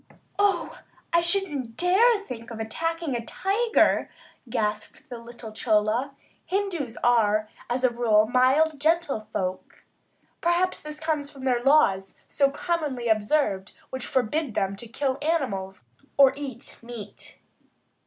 "Oh, I shouldn't dare to even think of attacking a tiger," gasped the gentle little Chola. Hindus are as a rule mild, gentle folk. Perhaps this comes from their laws, so commonly observed, which forbid them to kill animals or eat meat.